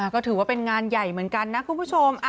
ก็ถือว่าเป็นงานใหญ่เหมือนกันนะคุณผู้ชม